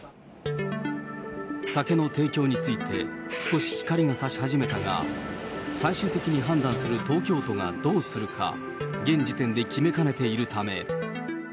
酒の提供について、少し光がさし始めたが、最終的に判断する東京都がどうするか、現時点で決めかねているため。